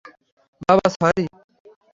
বাবা, সরি।